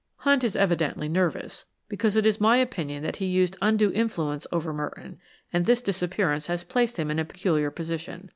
Hunt is evidently nervous, because it is my opinion that he used undue influence over Merton, and this disappearance has placed him in a peculiar position.